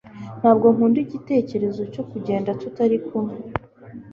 Ntabwo nkunda igitekerezo cyo kugenda tutari kumwe.